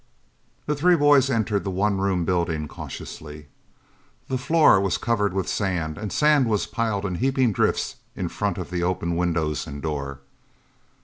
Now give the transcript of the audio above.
The three boys entered the one room building cautiously. The floor was covered with sand, and sand was piled in heaping drifts in front of the open windows and door.